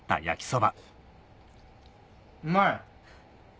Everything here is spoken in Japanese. うまい！